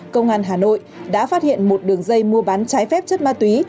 công an hà nội đã phát hiện một đường dây mua bán trái phép chất ma túy